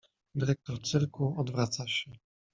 Dyrektor cyrku odwraca się.